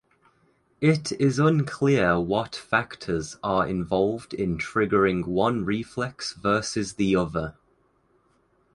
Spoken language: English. It is unclear what factors are involved in triggering one reflex versus the other.